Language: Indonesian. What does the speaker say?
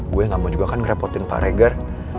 gue gak mau juga kan ngerepotin pak regar